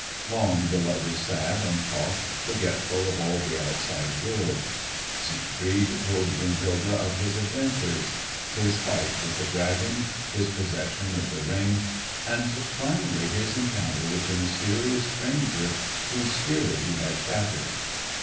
Long the lovers sat and talked, forgetful of all the outside world. Siegfried told Brunhilde of his adventures; his fight with the dragon; his possession of the Ring; and finally his encounter with the mysterious stranger whose spear he had shattered.